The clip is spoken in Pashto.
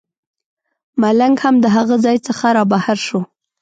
ملنګ هم د هغه ځای څخه رابهر شو.